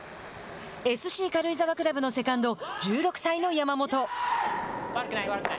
ＳＣ軽井沢クラブのセカンド１６歳の山本。